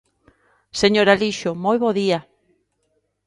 Señor Alixo, moi bo día.